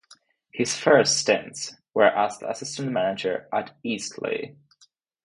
His first stints were as the assistant manager at Eastleigh.